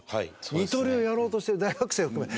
二刀流やろうとしてる大学生を含め。